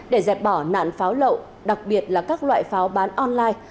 để dẹp bỏ nạn pháo lậu đặc biệt là các loại pháo bán online